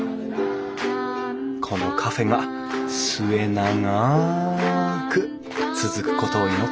このカフェが末永く続くことを祈っています